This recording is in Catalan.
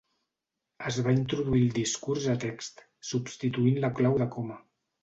Es va introduir el discurs a text, substituint la clau de coma.